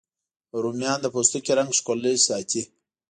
رومیان د پوستکي رنګ ښکلی ساتي